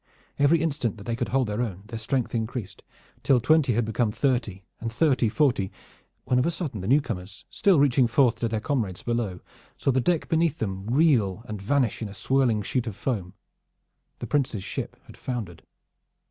Every instant that they could hold their own their strength increased, till twenty had become thirty and thirty forty, when of a sudden the newcomers, still reaching forth to their comrades below, saw the deck beneath them reel and vanish in a swirling sheet of foam. The Prince's ship had foundered.